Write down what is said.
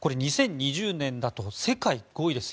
これ２０２０年だと世界５位です。